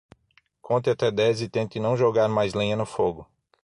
Conte até dez e tente não jogar mais lenha no fogo.